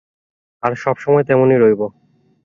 আর সবসময় তেমনই রইব।